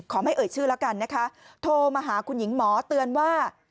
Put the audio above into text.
ไม่เอ่ยชื่อแล้วกันนะคะโทรมาหาคุณหญิงหมอเตือนว่า